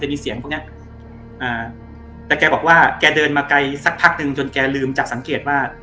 จริงไหวมันนี่แกบอกว่าแกเดินมาไกล๑พักจนแกลืมจะสังเกตว่า